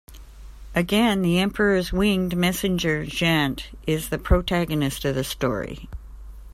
Again the Emperor's winged messenger, Jant, is the protagonist of the story.